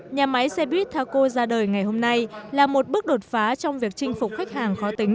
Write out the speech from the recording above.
nhà máy xe buýt taco ra đời ngày hôm nay là một bước đột phá trong việc chinh phục khách hàng khó tính